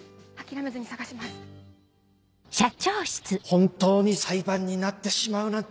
本当に裁判になってしまうなんて。